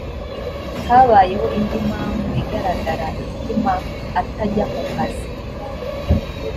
habayeho indi mpamvu igaragara ituma ataza ku kazi